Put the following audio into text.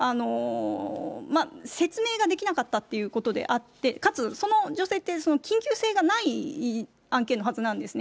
まあ、説明ができなかったということであって、かつその女性は緊急性がない案件のはずなんですね。